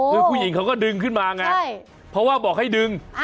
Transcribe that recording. คือผู้หญิงเขาก็ดึงขึ้นมาไงเพราะว่าบอกให้ดึง